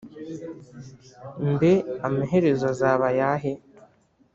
Mbe amaherezo azaba ayahe?